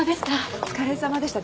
お疲れさまでした。